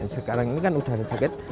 sekarang ini kan udah ada jaket